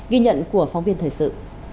ghi nhận của phóng viên thời sự